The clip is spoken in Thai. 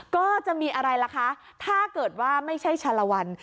ก็จะมีอะไรล่ะคะถ้าเกิดว่าไม่ใช่ชาลวัน